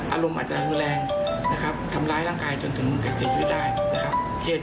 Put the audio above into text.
อารมณ์อาจจะรุนแรงนะครับทำร้ายร่างกายจนถึงกับเสียชีวิตได้นะครับ